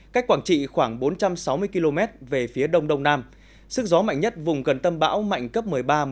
cách quảng trị khoảng bốn trăm sáu mươi km về phía đông đông nam sức gió mạnh nhất vùng gần tâm bão mạnh cấp một mươi ba một mươi hai